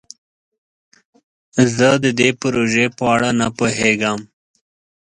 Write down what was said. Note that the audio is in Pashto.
زه د دې پروژې په اړه نه پوهیږم.